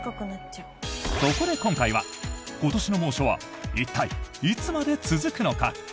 そこで今回は、今年の猛暑は一体いつまで続くのか？